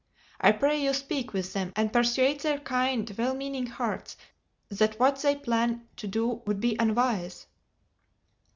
I pray you speak with them and persuade their kind well meaning hearts that what they plan to do would be unwise."